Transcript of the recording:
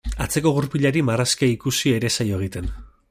Atzeko gurpilari marrazkia ikusi ere ez zaio egiten.